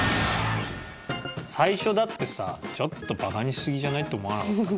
最初だってさちょっとバカにしすぎじゃない？って思わなかった？